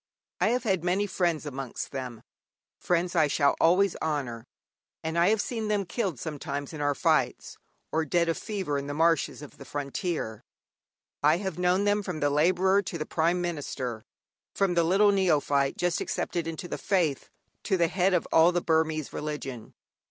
I have had many friends amongst them, friends I shall always honour; and I have seen them killed sometimes in our fights, or dead of fever in the marshes of the frontier. I have known them from the labourer to the Prime Minister, from the little neophyte just accepted into the faith to the head of all the Burmese religion.